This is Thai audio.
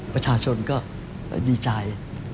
ประชาชนก็ดีใจ